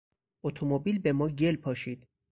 اتومبیل به ما گل پاشید.